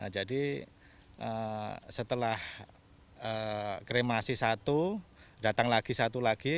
jadi setelah kremasi satu datang lagi satu lagi